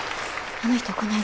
あの人この間の。